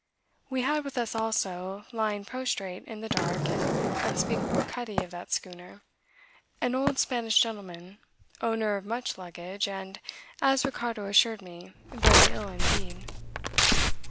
We had with us also, lying prostrate in the dark and unspeakable cuddy of that schooner, an old Spanish gentleman, owner of much luggage and, as Ricardo assured me, very ill indeed.